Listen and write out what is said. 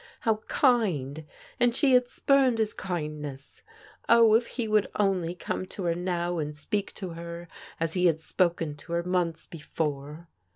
How kind! And she had spumed his kindness. Oh, if he would only come to her now and speak to her as he had spoken to her months before.